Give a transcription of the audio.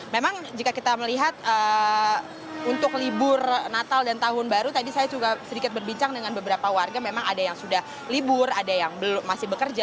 memang jika kita melihat untuk libur natal dan tahun baru tadi saya juga sedikit berbincang dengan beberapa warga memang ada yang sudah libur ada yang masih bekerja